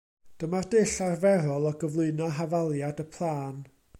Dyma'r dull arferol o gyflwyno hafaliad y plân.